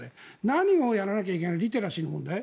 何をやらなければいけないかリテラシーの問題。